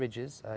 ada tiga pantai